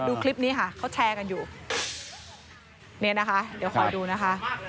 ดูคลิปนี้ค่ะเขาแชร์กันอยู่เนี่ยนะคะเดี๋ยวคอยดูนะคะ